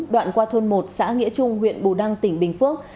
đoạn qua thôn một xã nghĩa trung huyện bù đăng tỉnh bình phước